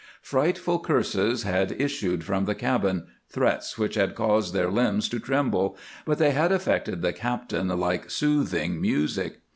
Frightful curses had issued from the cabin, threats which had caused their limbs to tremble, but they had affected the captain like soothing music.